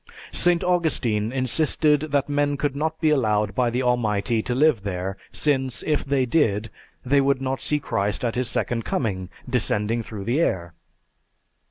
St. Augustine insisted that men could not be allowed by the Almighty to live there, since, if they did, they could not see Christ at His second coming, descending through the air.